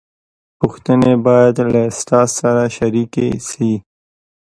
پوښتنې باید له استاد سره شریکې شي.